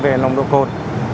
về lồng độ cồn